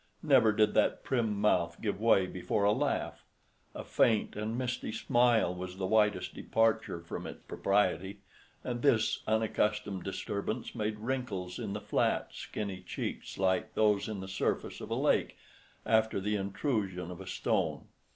Never did that prim mouth give way before a laugh. A faint and misty smile was the widest departure from its propriety, and this unaccustomed disturbance made wrinkles in the flat, skinny cheeks like those in the surface of a lake, after the intrusion of a stone.